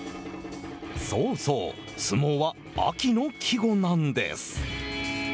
そうそう相撲は秋の季語なんです。